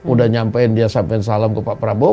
udah nyampein dia sampein salam ke pak prabowo